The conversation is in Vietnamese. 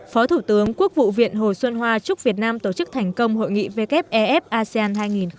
phó thủ tướng quốc vụ viện hồ xuân hoa chúc việt nam tổ chức thành công hội nghị wff asean hai nghìn một mươi tám